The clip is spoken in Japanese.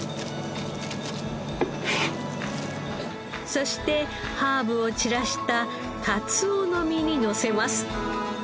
そしてハーブを散らしたかつおの身にのせます。